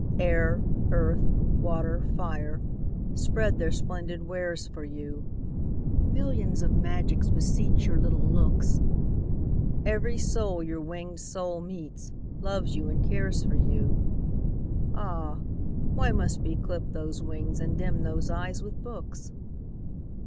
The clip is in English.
Air, earth, water, fire, spread their splendid wares for you. Millions of magics beseech your little looks; Every soul your winged soul meets, loves you and cares for you. Ah! why must we clip those wings and dim those eyes with books?